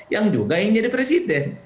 yang juga ingin jadi presiden